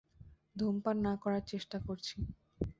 ধূমপান না করার চেষ্টা করছি।